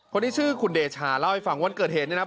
คนที่ชื่อคุณเดชาเล่าให้ฟังวันเกิดเห็นนี่นะครับ